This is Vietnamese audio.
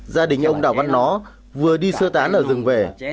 gia đình ông đảo văn nó vừa đi sơ tán ở rừng vệ